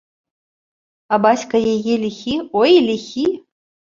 А бацька яе ліхі, ой, ліхі!